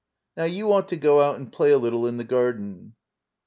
— Now you ought to go out and play a little in the garden.